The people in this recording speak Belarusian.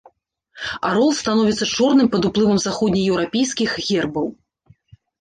Арол становіцца чорным пад уплывам заходнееўрапейскіх гербаў.